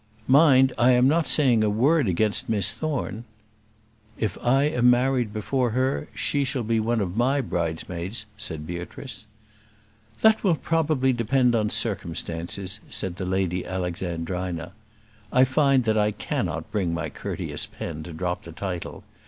"Mind, I am not saying a word against Miss Thorne." "If I am married before her, she shall be one of my bridesmaids," said Beatrice. "That will probably depend on circumstances," said the Lady Alexandrina; I find that I cannot bring my courteous pen to drop the title.